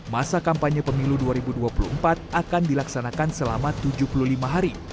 masa kampanye pemilu dua ribu dua puluh empat akan dilaksanakan selama tujuh puluh lima hari